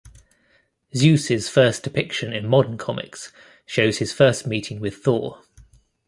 Zeus' first depiction in modern comics shows his first meeting with Thor.